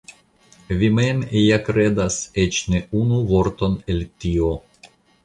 Vi mem ja kredas eĉ ne unu vorton el tio.